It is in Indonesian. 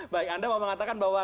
baik anda mau mengatakan bahwa